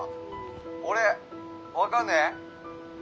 俺分かんね？